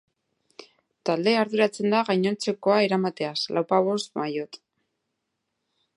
Taldea arduratzen da gainontzekoa eramateaz, lauzpabost maillot.